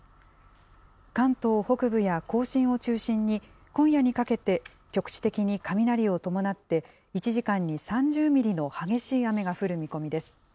関東北部や甲信を中心に、今夜にかけて、局地的に雷を伴って、１時間に３０ミリの激しい雨が降る見込みです。